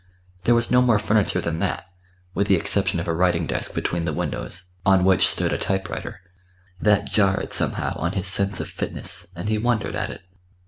There was no more furniture than that, with the exception of a writing desk between the windows, on which stood a typewriter. That jarred somehow on his sense of fitness, and he wondered at it.